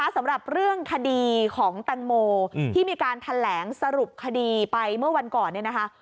สำหรับเรื่องคดีของแตงโมที่มีการแถลงสรุปคดีไปเมื่อวันก่อนเนี่ยนะคะ